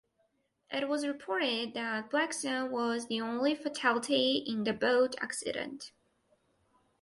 It was reported that Blankson was the only fatality in the boat accident.